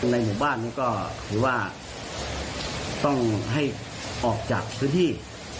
ในหมู่บ้านนี้ก็ถือว่าต้องให้ออกจากพื้นที่